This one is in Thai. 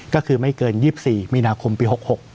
ก็คือไม่เกิน๒๔มีนาคมปี๖๖